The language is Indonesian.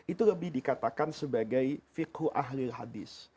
itu lebih dikatakan sebagai fikhu ahli hadis